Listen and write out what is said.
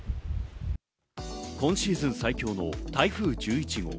今シーズン最強の台風１１号。